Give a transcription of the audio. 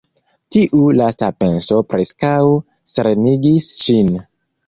Tiu lasta penso preskaŭ serenigis ŝin.